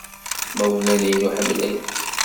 Imawlan-inu ḥemmlen-k.